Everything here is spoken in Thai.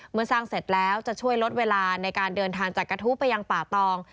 เมื่อสร้างเสร็จแล้วจะช่วยลดเวลาในการเดินทางจากกระทู้ไปยังป่าตอง